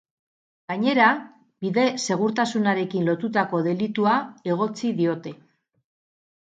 Gainera, bide-segurtasunarekin lotutako delitua egotzi diote.